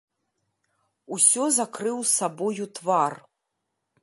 Усё закрыў сабою твар.